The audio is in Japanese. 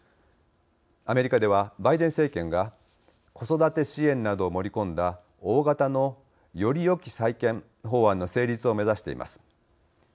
アメリカではバイデン政権が子育て支援などを盛り込んだ大型の「より良き再建」法案の成立を目指しています。